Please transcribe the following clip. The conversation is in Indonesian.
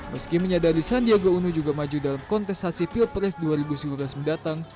meski menyadari sandiaga uno juga maju dalam kontestasi pilpres dua ribu sembilan belas mendatang